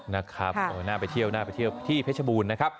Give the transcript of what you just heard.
นะครับน่าไปเที่ยวที่เพชรบูรณ์นะครับ